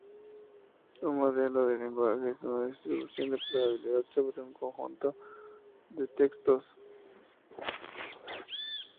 Un modelo de lenguaje es una distribución de probabilidad sobre un conjunto de textos.